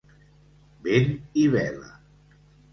Vent i vela.